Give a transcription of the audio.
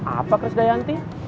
apa chris dayanti